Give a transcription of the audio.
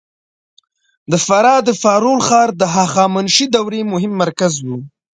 د فراه د فارول ښار د هخامنشي دورې مهم مرکز و